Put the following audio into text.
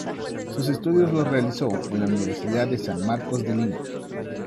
Sus estudios los realizó en la Universidad de San Marcos de Lima.